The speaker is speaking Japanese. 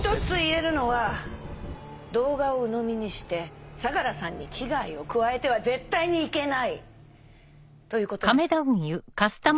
１つ言えるのは動画をうのみにして相良さんに危害を加えては絶対にいけないということです。